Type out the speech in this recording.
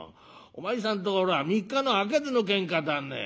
お前さんところは三日のあげずのけんかだね。